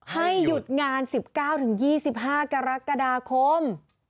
ให้หยุดงาน๑๙๒๕กรกฎาคม